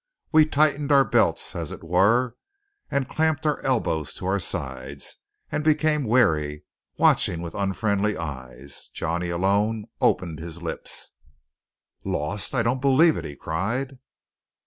We tightened our belts, as it were, and clamped our elbows to our sides, and became wary, watching with unfriendly eyes. Johnny alone opened his lips. "Lost? I don't believe it!" he cried.